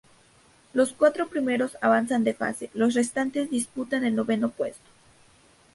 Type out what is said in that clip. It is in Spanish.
Los cuatro primeros avanzan de fase, los restantes disputan el noveno puesto.